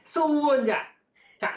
semoga berhasil cak